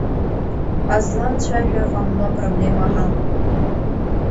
Ҳазламцәажәар ҟамло апроблема ҳауит.